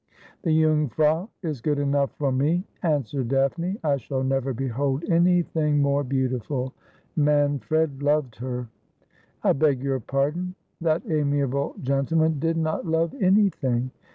' The Jungfrau is good enough for me,' answered Daphne ;' I shall never behold anything more beautiful. Manfred loved her.' 'I beg your pardon, that amiable gentleman did not love anything.